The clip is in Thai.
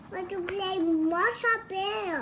มันจะเปลี่ยนมอสซาเบอร์